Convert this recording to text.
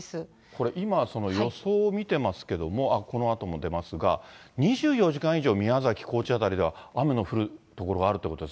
これ、今、予想を見てますけれども、このあとも出ますが、２４時間以上、宮崎、高知辺りが、そうですね。